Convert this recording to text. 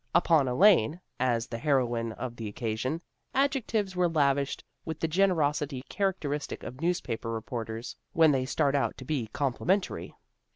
Upon Elaine, as the heroine of the occasion, adjectives were lavished with the generosity characteristic of newspaper reporters when they start out to be complimentary.